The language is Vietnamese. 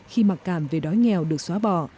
khi mặc cảm về đói nghèo được xóa bỏ